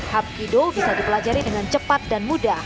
hapkido bisa dipelajari dengan cepat dan mudah